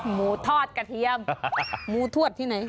หมูทวดที่ไหน